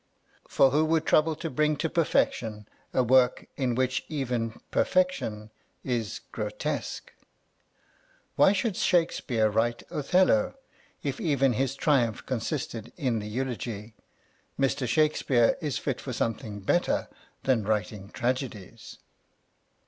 For who would trouble to bring to perfection a work in which even perfection is grotesque ? Why should Shakespeare write "Othello" if even his triumph con sisted in the eulogy, " Mr. Shakespeare is fit for sogiething better than writing tragedies"?